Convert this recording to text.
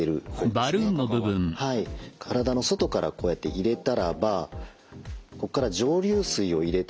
体の外からこうやって入れたらばここから蒸留水を入れてですね